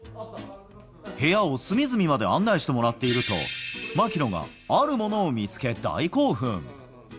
部屋を隅々まで案内してもらっていると、槙野があるものを見つけ大興奮。